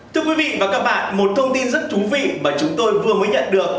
thưa quý vị và các bạn một thông tin rất thú vị mà chúng tôi vừa mới nhận được